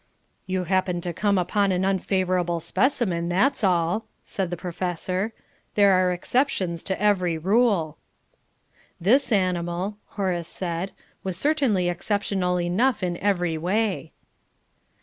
"You happened to come upon an unfavourable specimen, that's all," said the Professor. "There are exceptions to every rule." "This animal," Horace said, "was certainly exceptional enough in every way."